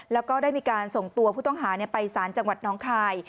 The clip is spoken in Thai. แล้วก็ได้มีการส่งตัวผู้ต้องหาไปสารจังหวัดน้องคาย